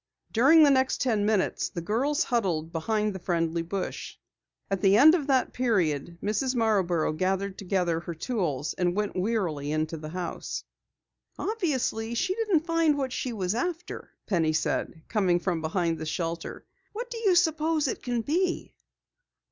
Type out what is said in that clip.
During the next ten minutes the girls huddled behind the friendly bush. At the end of that period, Mrs. Marborough gathered together her tools, and went wearily into the house. "Obviously she didn't find what she was after," Penny said, coming from behind the shelter. "What do you suppose it can be?"